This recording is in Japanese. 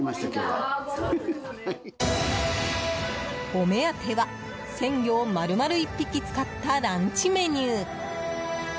お目当ては鮮魚を丸々１匹使ったランチメニュー。